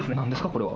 これは。